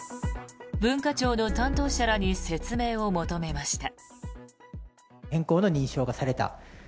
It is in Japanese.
文化庁の担当者らに説明を求めました。